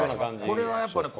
これはやっぱね